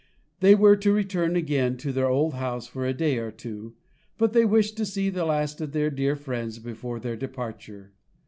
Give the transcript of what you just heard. They were to return again to their old house for a day or two, but they wished to see the last of their dear friends before their departure.